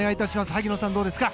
萩野さん、どうですか？